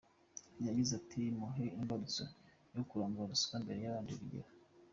Yagize ati “Mube imbarutso yo kurandura ruswa mubere abandi urugero.